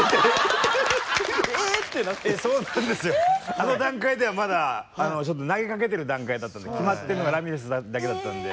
あの段階ではまだちょっと投げかけてる段階だったんで決まってるのがラミレスさんだけだったんで。